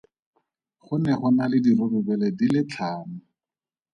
Go ne go na le dirurubele di le tlhano.